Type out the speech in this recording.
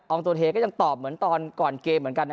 ตัวเทก็ยังตอบเหมือนตอนก่อนเกมเหมือนกันนะ